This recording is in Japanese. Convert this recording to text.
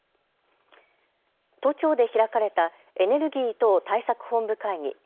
都庁で開かれたエネルギー等対策本部会議。